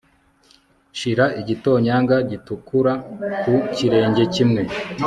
shira igitonyanga gitukura ku kirenge kimwe